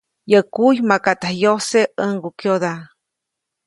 Yäʼ kuy makaʼt yajkyose ʼäŋgukyoda.